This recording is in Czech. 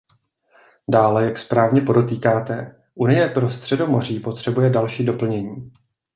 Dále, jak správně podotýkáte, Unie pro Středomoří potřebuje další doplnění.